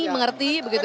mengerti begitu kan